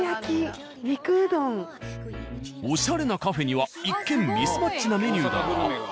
おしゃれなカフェには一見ミスマッチなメニューだが。